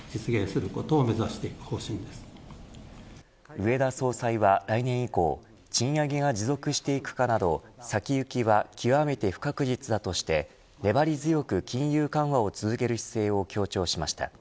植田総裁は来年以降賃上げが持続していくかなど先行きは極めて不確実だとして粘り強く金融緩和を続ける姿勢を強調しました。